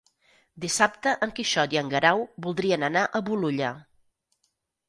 Dissabte en Quixot i en Guerau voldrien anar a Bolulla.